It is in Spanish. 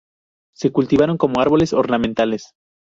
Se cultivan como árboles ornamentales.